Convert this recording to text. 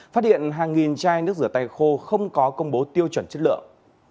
phát hiện hàng nghìn chai nước rửa tay khô không có công bố tiêu chuẩn chất lượng